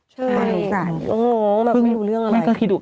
ใช่อ๋อแล้วไม่รู้เรื่องอะไร